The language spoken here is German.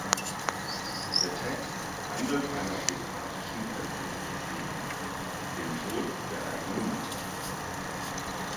Der Text handelt einer biografischen Grenzsituation: dem Tod der eigenen Mutter.